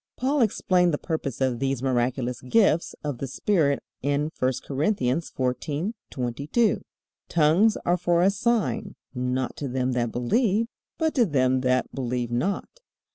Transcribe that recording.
Paul explained the purpose of these miraculous gifts of the Spirit in I Corinthians 14:22, "Tongues are for a sign, not to them that believe, but to them that believe not."